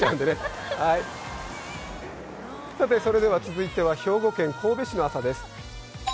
続いては、兵庫県神戸市の朝です。